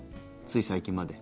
つい最近まで？